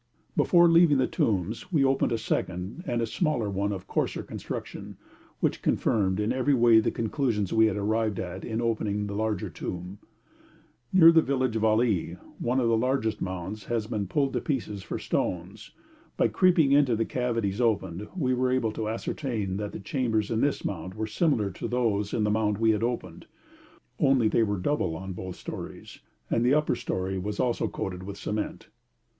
Before leaving the tombs we opened a second, and a smaller one of coarser construction, which confirmed in every way the conclusions we had arrived at in opening the larger tomb. Near the village of Ali, one of the largest mounds has been pulled to pieces for the stones. By creeping into the cavities opened we were able to ascertain that the chambers in this mound were similar to those in the mound we had opened, only they were double on both stories, and the upper story was also coated with cement.